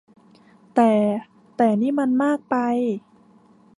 แต่ แต่นี่มันมากไป